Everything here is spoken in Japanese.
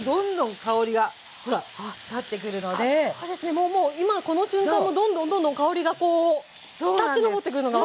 もうもう今この瞬間もどんどんどんどん香りがこう立ち上ってくるのが分かります。